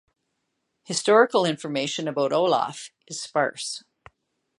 Historical information about Olaf is sparse.